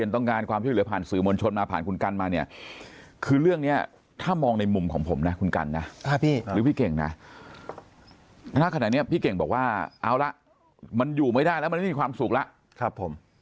ถ้ามองในมุมของผมนะคุณกัลนะหรือพี่เก่งนะถ้าขนาดนี้พี่เก่งบอกว่าเอาละมันอยู่ไม่ได้แล้วมันไม่มีความสุขละครับผม